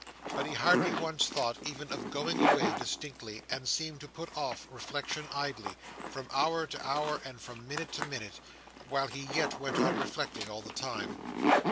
But he hardly once thought, even of going away, distinctly; and seemed to put off reflection idly, from hour to hour, and from minute to minute, while he yet went on reflecting all the time.